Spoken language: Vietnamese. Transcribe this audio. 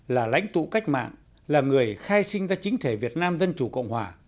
là lãnh tụ cách mạng là người khai sinh ra chính thể việt nam dân chủ cộng hòa